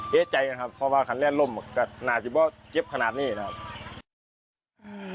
เพราะว่าขันแร่นล่มก็หนาสิบว่าเจ็บขนาดนี้นะครับ